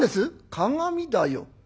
「鏡だよ」。